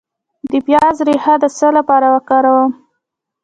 د پیاز ریښه د څه لپاره وکاروم؟